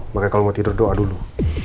makanya kalo mau tidur doa dulu